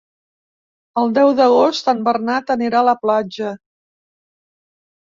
El deu d'agost en Bernat anirà a la platja.